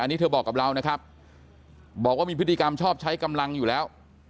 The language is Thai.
อันนี้เธอบอกกับเรานะครับบอกว่ามีพฤติกรรมชอบใช้กำลังอยู่แล้ว